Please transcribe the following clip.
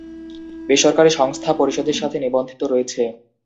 বেসরকারী সংস্থা পরিষদের সাথে নিবন্ধিত রয়েছে।